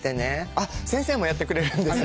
あっ先生もやってくれるんですね。